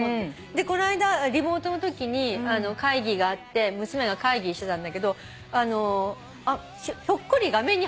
でこの間リモートのときに会議があって娘が会議してたんだけど画面に入ってきたらしいんですよ。